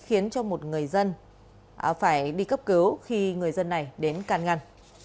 khiến cho một người dân phải đi cấp cứu khi người dân này đến can ngăn